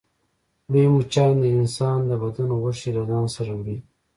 لوی مچان د انسان د بدن غوښې له ځان سره وړي